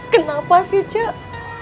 kenapa sih cok